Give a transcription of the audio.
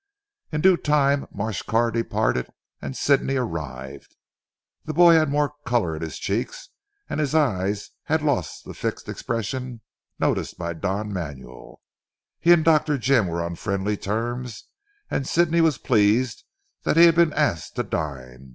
In due time Marsh Carr departed and Sidney arrived. The boy had more colour in his cheeks, and his eyes had lost the fixed expression noticed by Don Manuel. He and Dr. Jim were on friendly terms and Sidney was pleased that he had been asked to dine.